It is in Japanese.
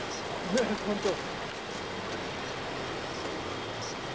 ねえ本当。